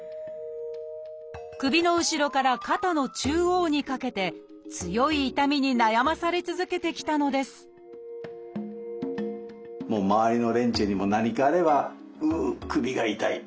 首の後ろから肩の中央にかけて強い痛みに悩まされ続けてきたのです周りの連中にも何かあれば「うう首が痛い。